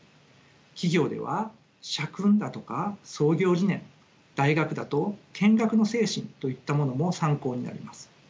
企業では社訓だとか創業理念大学だと建学の精神といったものも参考になります。